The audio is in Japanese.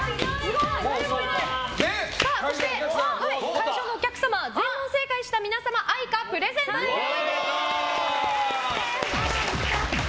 会場のお客様全問正解した皆様Ａｉｃａプレゼントです！